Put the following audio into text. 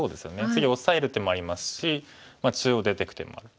次オサえる手もありますし中央出ていく手もある。